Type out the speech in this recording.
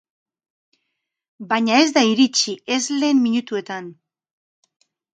Baina ez da iritsi, ez lehen minutuetan.